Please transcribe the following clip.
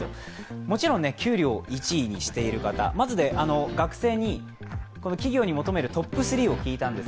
もちろん給料を１位にしている方、学生に企業に求めるトップ３を聞いたんです。